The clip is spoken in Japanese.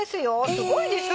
すごいでしょ！